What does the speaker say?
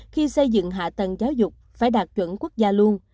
khi xây dựng hạ tầng giáo dục phải đạt chuẩn quốc gia luôn